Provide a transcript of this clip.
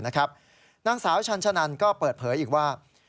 นางสาวชันชะนันก็เปิดเผยอีกว่า